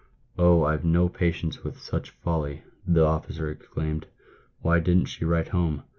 " Oh ! I've no patience with such folly," the officer exclaimed ;" why didn't she write home